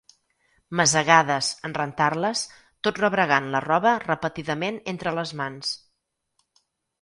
Masegades, en rentar-les, tot rebregant la roba repetidament entre les mans.